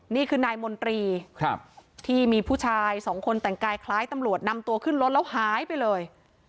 นี่คือนายมนตรีที่มีผู้ชายสองคนแต่งกายคล้ายตำรวจนำตัวขึ้นรถแล้วหายไปเลย